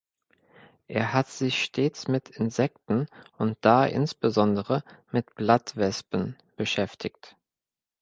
Er hat sich stets mit Insekten und da insbesondere mit Blattwespen beschäftigt.